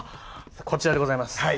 こちらでございます。